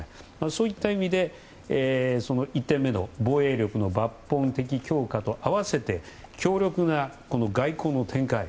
そういった意味で１点目の防衛力の抜本的強化と合わせて、強力な外交の展開